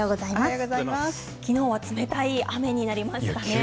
昨日は冷たい雨になりましたね。